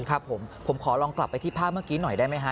ครับผมผมขอลองกลับไปที่ภาพเมื่อกี้หน่อยได้ไหมฮ